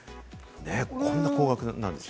こんな高額なんですよ。